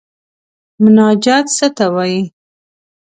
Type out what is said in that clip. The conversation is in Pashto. مناجات څه ته وايي.